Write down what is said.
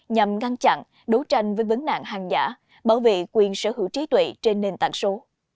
nhằm ngăn chặn đấu tranh với vấn nạn hàng giả bảo vệ quyền sở hữu trí tuệ trên nền tảng số